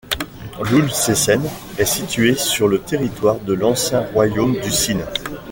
Loul Sessène est situé sur le territoire de l'ancien royaume du Sine.